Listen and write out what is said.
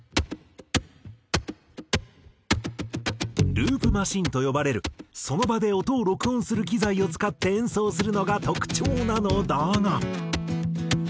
ループマシンと呼ばれるその場で音を録音する機材を使って演奏するのが特徴なのだが。